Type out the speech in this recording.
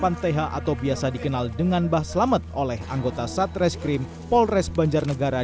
korban th atau biasa dikenal dengan bah selamet oleh anggota satreskrim polres banjarnegara